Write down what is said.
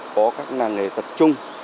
có các làng nghề thật chung